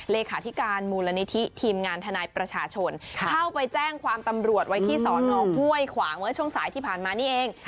เลขาธิการมูลนิธิทีมงานทนายประชาชนเข้าไปแจ้งความตำรวจไว้ที่สอนองห้วยขวางเมื่อช่วงสายที่ผ่านมานี่เอง